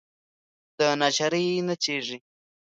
دناچارۍ نڅیږې